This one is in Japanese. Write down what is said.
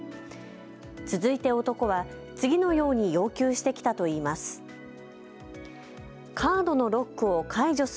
続いて男は次のように要求してきたといいます。